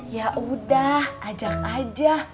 ya udah ajak aja